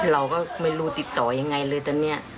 เราก็ไม่รู้ติดต่อยังไงเลยตอนนี้